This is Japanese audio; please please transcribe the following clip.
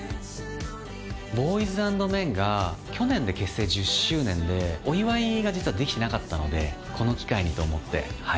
ＢＯＹＳＡＮＤＭＥＮが去年で結成１０周年でお祝いが実はできてなかったのでこの機会にと思って。